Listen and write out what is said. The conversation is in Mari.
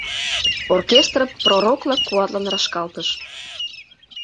Оркестр Пророкла куатлын рашкалтыш.